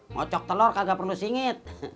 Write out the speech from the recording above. ngocok telur kagak perlu singit